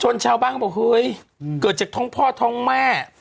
ชาวบ้านเขาบอกเฮ้ยเกิดจากท้องพ่อท้องแม่